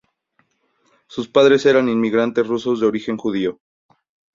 Sus padres eran inmigrantes rusos de origen judío.